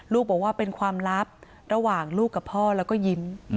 บอกว่าเป็นความลับระหว่างลูกกับพ่อแล้วก็ยิ้ม